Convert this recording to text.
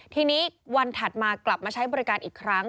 ทีนี้วันถัดมากลับมาใช้บริการอีกครั้ง